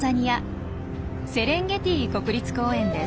セレンゲティ国立公園です。